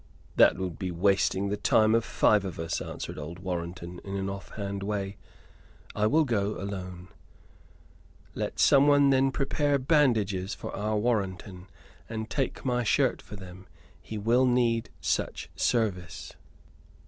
"That would be wasting the time of five of us," answered old Warrenton, in an off hand way; "I will go alone." "Let someone then prepare bandages for our Warrenton, and take my shirt for them. He will need such service."